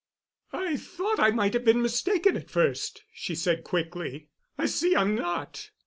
"I thought I might have been mistaken at first," she said quickly. "I see I'm not.